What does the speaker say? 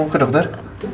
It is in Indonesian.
mau ke dokter